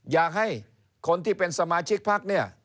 อยากให้คนที่เป็นสมาชิกพักเนี่ย